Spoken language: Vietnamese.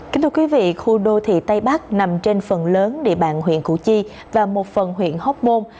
kính thưa quý vị khu đô thị tây bắc nằm trên phần lớn địa bàn huyện củ chi và một phần huyện hóc môn